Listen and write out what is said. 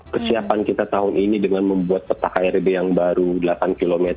kesiapan kita tahun ini dengan membuat peta krb yang baru delapan km